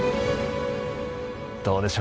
どうでしょう